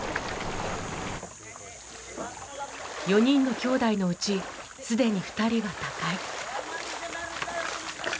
４人のきょうだいのうちすでに２人は他界。